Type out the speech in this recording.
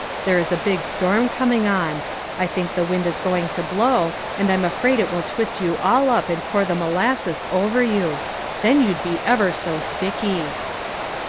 There is a big storm coming on ; I think the wind is going to blow, and I'm afraid it will twist you all up and pour the molasses over you. Then you'd be ever so sticky